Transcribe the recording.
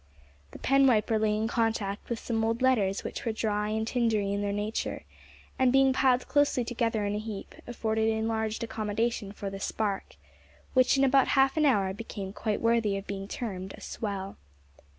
This pen wiper lay in contact with some old letters which were dry and tindery in their nature, and, being piled closely together in a heap, afforded enlarged accommodation, for the "spark," which in about half an hour became quite worthy of being termed a "swell."